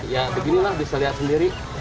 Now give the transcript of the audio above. ya beginilah bisa lihat sendiri